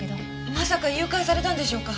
まさか誘拐されたんでしょうか？